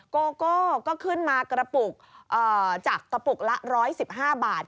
โกโก้ก็ขึ้นมากระปุกจากกระปุกละ๑๑๕บาท